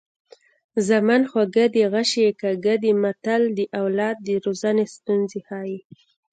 زامن خواږه دي غشي یې کاږه دي متل د اولاد د روزنې ستونزې ښيي